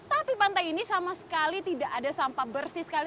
tapi pantai ini sama sekali tidak ada sampah bersih sekali